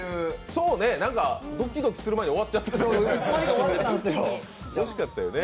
そうね、ドキドキする前に終わってましたね。